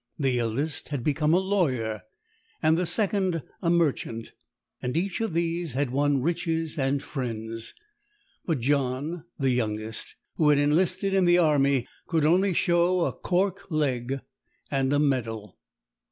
The eldest had become a lawyer, and the second a merchant, and each of these had won riches and friends; but John, the youngest, who had enlisted in the army, could only show a cork leg and a medal.